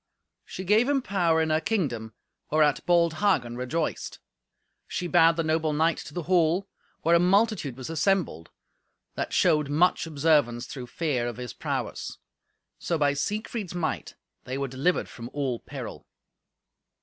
She gave him power in her kingdom, whereat bold Hagen rejoiced. She bade the noble knight to the hall, where a multitude was assembled, that showed much observance through fear of his prowess. So, by Siegfried's might, they were delivered from all peril.